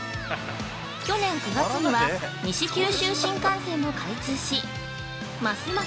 去年９月には西九州新幹線も開通しますます